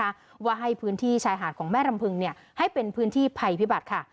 เพราะว่าให้พื้นที่ชายหาดของแม่รำพึงเนี่ยให้เป็นพื้นที่ภัยพิบัติค่ะ